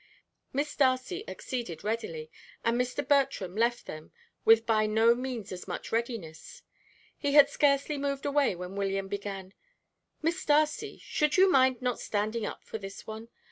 Miss Darcy acceded readily, and Mr. Bertram left them with by no means as much readiness. He had scarcely moved away when William began: "Miss Darcy, should you mind not standing up for this one?